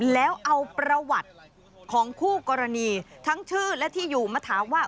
แล้วเอาประวัติของคู่กรณีทั้งชื่อและที่อยู่มาถามว่า